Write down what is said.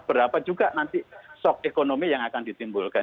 berapa juga nanti shock ekonomi yang akan ditimbulkan